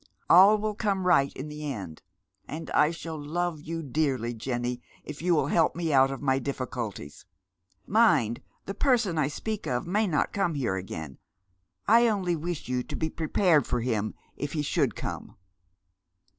All will come right in the end. And I shall love you dearly, Jenny, if you will help me out of my difficulties. Mind, the person I speak of may not come here again. I only wish you to be prepared for him if he should come."